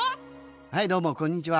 はいどうもこんにちは。